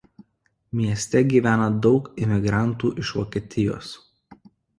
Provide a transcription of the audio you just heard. Mieste gyvena daug imigrantų iš Vokietijos.